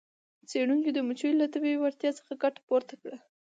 څیړونکو د مچیو له طبیعي وړتیا څخه ګټه پورته کړه.